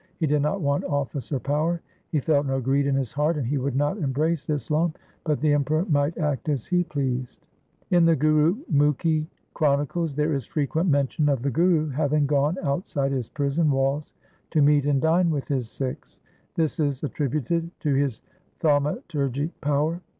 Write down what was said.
He did not want office or power ; he felt no greed in his heart, and he would not embrace Islam, but the Emperor might act as he pleased. In the Gurumukhi chronicles there is frequent mention of the Guru having gone outside his prison walls to meet and dine with his Sikhs. This is attri buted to his thaumaturgic power.